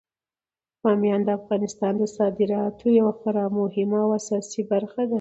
بامیان د افغانستان د صادراتو یوه خورا مهمه او اساسي برخه ده.